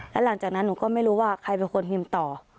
แล้วหลังจากนั้นหนูก็ไม่รู้ว่าใครเป็นคนพิมพ์ต่อ